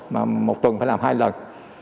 mà một tuần phải làm hai lần